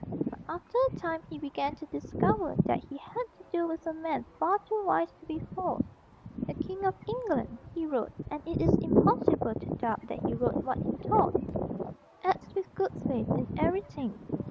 But after a time he began to discover that he had to do with a man far too wise to be false. "The King of England," he wrote, and it is impossible to doubt that he wrote what he thought, "acts with good faith in every thing.